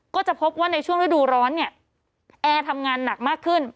ก็จะพบว่าในช่วงฤดูร้อนเนี่ยแอร์ทำงานหนักมากขึ้น